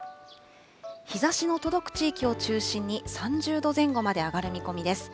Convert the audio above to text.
日ざしの届く地域を中心に３０度前後まで上がる見込みです。